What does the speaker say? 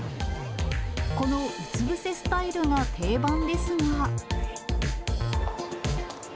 このうつ伏せスタイルが定番ですが。